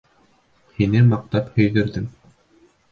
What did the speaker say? Һине маҡтап һөйҙөрҙөм.